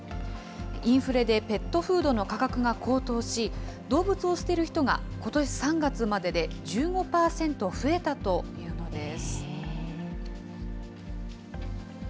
インフレでペットフードの価格が高騰し、動物を捨てる人がことし３月までで１５％増えたというのです。